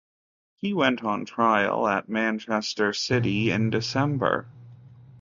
He went on trial at Manchester City in December.